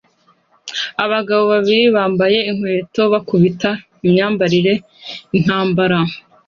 Abagabo babiri bambaye inkweto bakubita imyambarire yintambara